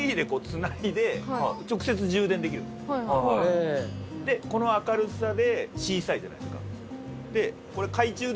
まずでこの明るさで小さいじゃないですか。